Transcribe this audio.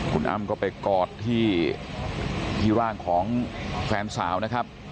คุณอ้ำก็ไปกอดที่ร่างของแฟนสาวนะครับ